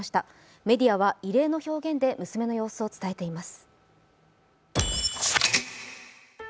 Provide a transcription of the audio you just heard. メディアは異例の表現で娘の様子を伝えました。